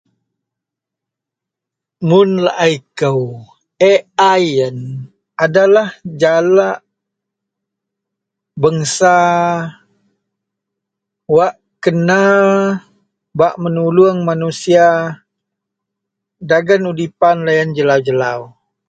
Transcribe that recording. Mun laei kou AI iyen adalah jalak.. bangsa wak kena bak menulong manusia dagen udipan loyen jelau-jelau.